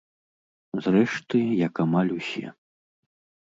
Зрэшты, як амаль усе.